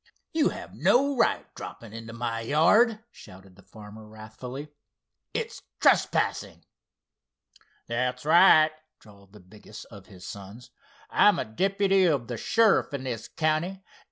"You have no right dropping into my yard!" shouted the farmer, wrathfully. "It's trespassing." "That's right," drawled the biggest of his sons. "I'm a deputy of the sheriff in this county.